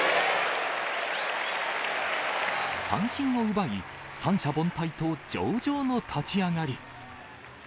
三振を奪い、三者凡退と上々の立ち上がり。